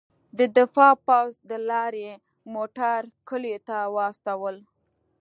د دفاع پوځ د لارۍ موټر کلیو ته واستول.